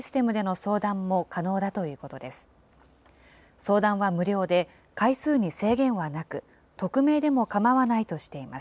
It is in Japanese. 相談は無料で、回数に制限はなく、匿名でも構わないとしています。